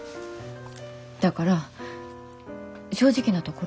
だから正直なところ。